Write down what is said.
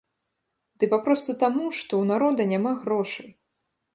Ды папросту таму, што ў народа няма грошай.